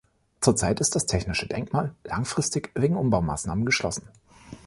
Zurzeit ist das technische Denkmal langfristig wegen Umbaumaßnahmen geschlossen.